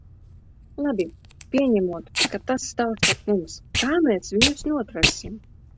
Labi, pieņemot, ka tas stāv starp mums, kā mēs viņus notversim?